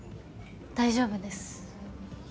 大丈夫です。